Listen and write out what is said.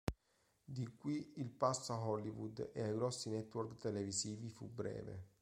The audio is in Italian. Di qui il passo a Hollywood e ai grossi network televisivi fu breve.